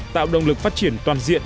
tạo động lực phát triển toàn diện